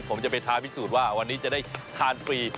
ผมจะไปท้าพิสูจน์ว่าวันนี้จะได้ทานฟรี